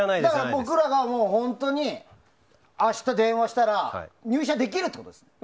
僕らが本当に明日電話したら入社できるということですか？